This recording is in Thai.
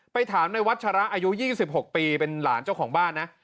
ถามในวัชระอายุ๒๖ปีเป็นหลานเจ้าของบ้านนะ